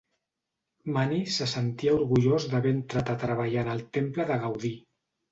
Mani se sentia orgullós d'haver entrat a treballar en el temple de Gaudí.